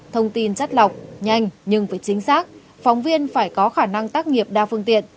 thông tin chất lọc nhanh nhưng phải chính xác phóng viên phải có khả năng tác nghiệp đa phương tiện